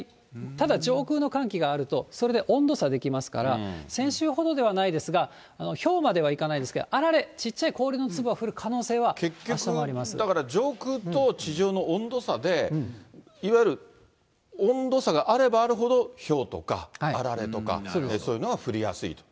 ただ、上空の寒気があると、それで温度差できますから、先週ほどではないですが、ひょうまではいかないですけど、あられ、ちっちゃい氷の粒が降る結局、上空と地上の温度差で、いわゆる温度差があればあるほど、ひょうとか、あられとか、そういうのが降りやすいと。